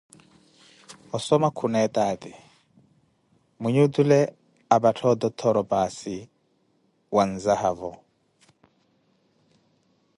Osoma khuna etaati, mwinyi otule apattha ototthoro paasi wa nzahavo.